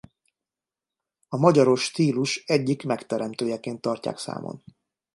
A magyaros stílus egyik megteremtőjeként tartják számon.